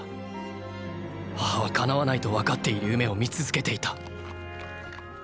母は叶わないとわかっている夢を見続けていた。